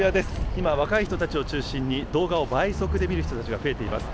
今、若い人たちを中心に動画を倍速で見る人たちが増えています。